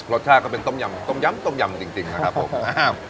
ก็เป็นต้มยำต้มยำต้มยำจริงนะครับผม